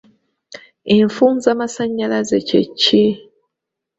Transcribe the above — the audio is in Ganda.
Enfuusamasannyalaze kye ki?